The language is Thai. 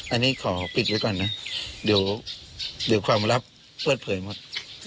อันนี้ขอปิดไว้ก่อนนะเดี๋ยวความลับเปิดเผยหมด